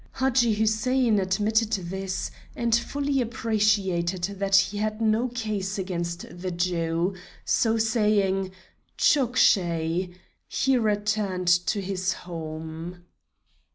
Hadji Hussein admitted this, and fully appreciated that he had no case against the Jew, so saying: 'Chok shai!' he returned to his home.